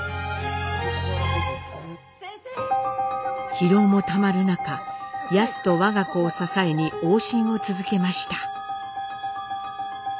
疲労もたまる中ヤスと我が子を支えに往診を続けました。